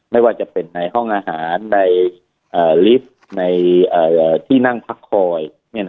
ไม่ว่าจะเป็นในห้องอาหารในลิฟต์ในที่นั่งพักคอย